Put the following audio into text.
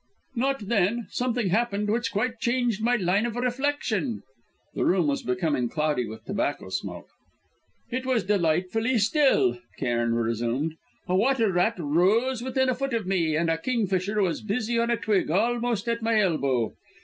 "Not then; something happened which quite changed my line of reflection." The room was becoming cloudy with tobacco smoke. "It was delightfully still," Cairn resumed. "A water rat rose within a foot of me and a kingfisher was busy on a twig almost at my elbow.